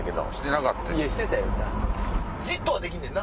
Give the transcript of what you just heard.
じっとはできんねんな？